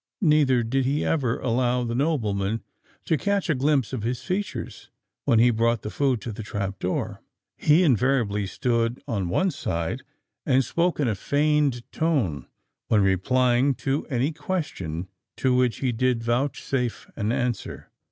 Neither did he ever allow the nobleman to catch a glimpse of his features, when he brought the food to the trap door. He invariably stood on one side, and spoke in a feigned tone when replying to any question to which he did vouchsafe an answer.